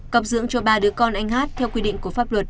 cặp dưỡng cho ba đứa con anh hát theo quy định của pháp luật